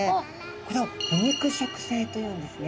これを腐肉食性というんですね。